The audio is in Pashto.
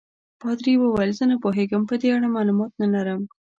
پادري وویل: زه نه پوهېږم، په دې اړه معلومات نه لرم.